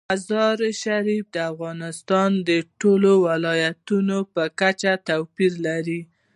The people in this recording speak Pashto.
مزارشریف د افغانستان د ټولو ولایاتو په کچه یو توپیر لري.